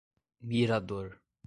Mirador